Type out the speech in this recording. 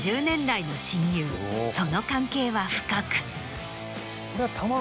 その関係は深く。